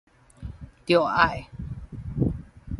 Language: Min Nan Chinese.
著愛